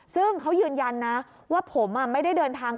ซึ่งเขายืนยันนะว่าผมไม่ได้เดินทาง